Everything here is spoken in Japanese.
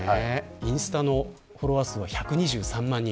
インスタのフォロワー数は１２３万人。